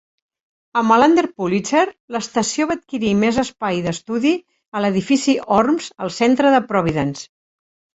Amb el Under Pulitzer, l"estació va adquirir més espai d"estudi a l"edifici Orms al centre de Providence.